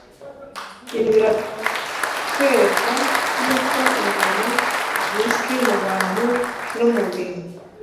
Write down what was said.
Ibi biratwereka y'uko ingoma zizwi mu bantu no mu bintu ;